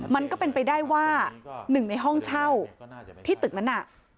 มันก็เป็นไปได้ว่า๑ในห้องเช่าที่ตึกนั้น